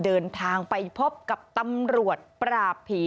เดินทางไปพบกับตำรวจปราบผี